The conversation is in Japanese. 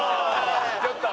ちょっと。